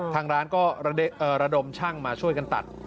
ทางร้านก็ระดมช่างมาช่วยกันตัด